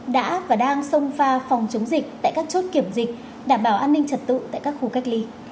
đã và đang sông pha phòng chống dịch tại các chốt kiểm dịch đảm bảo an ninh trật tự tại các khu cách ly